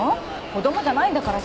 子供じゃないんだからさ